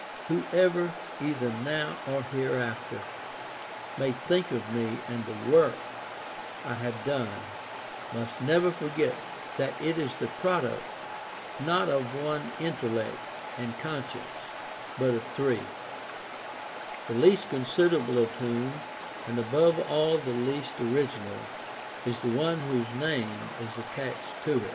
Whoever, either now or hereafter, may think of me and of the work I have done, must never forget that it is the product not of one intellect and conscience, but of three[, the least considerable of whom, and above all the least original, is the one whose name is attached to it].